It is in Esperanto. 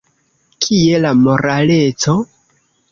Kie la moraleco?